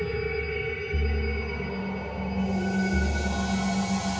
ชื่อฟอยแต่ไม่ใช่แฟง